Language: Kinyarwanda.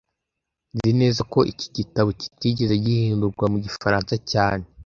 Nzi neza ko iki gitabo kitigeze gihindurwa mu gifaransa cyane